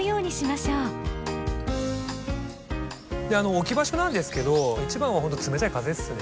置き場所なんですけど一番はほんとに冷たい風ですね。